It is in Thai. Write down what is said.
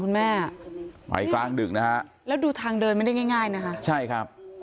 คุณแม่ไปกลางดึกนะฮะแล้วดูทางเดินไม่ได้ง่ายง่ายนะคะใช่ครับ